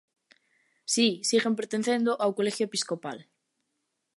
Si seguen pertencendo ao Colexio episcopal.